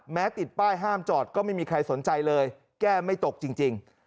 ติดป้ายห้ามจอดก็ไม่มีใครสนใจเลยแก้ไม่ตกจริง